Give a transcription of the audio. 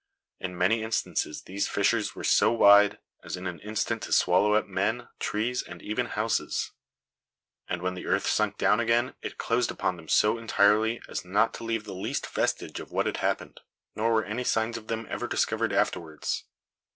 "In many instances, these fissures were so wide, as in an instant to swallow up men, trees, and even houses; and when the earth sunk down again, it closed upon them so entirely, as not to leave the least vestige of what had happened, nor were any signs of them ever discovered afterwards.